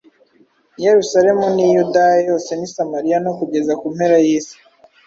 i Yerusalemu n’i Yudaya yose n’i Samariya no kugeza ku mpera y’isi.”.